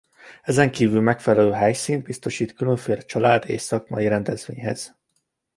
Ezenkívül megfelelő helyszínt biztosít különféle családi és szakmai rendezvényhez.